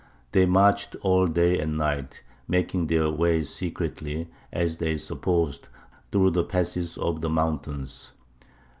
They marched all day and night, making their way secretly, as they supposed, through the passes of the mountains.